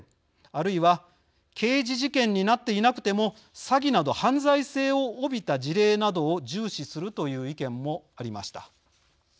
あるいは、刑事事件になっていなくても詐欺など犯罪性を帯びた事例などを重視するという意見もありました。